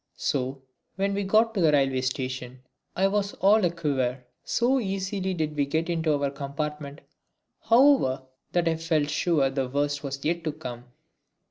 So when we got to the railway station I was all a quiver. So easily did we get into our compartment, however, that I felt sure the worst was yet to come.